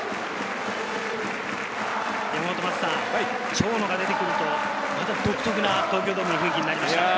長野が出てくると、独特な東京ドームの雰囲気になりましたね。